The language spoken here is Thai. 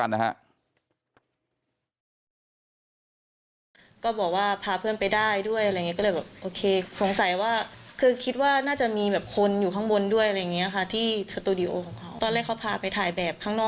เดี๋ยวลองฟังเธอกันแล้วกัน